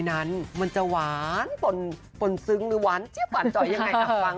ในคำถามยังจริง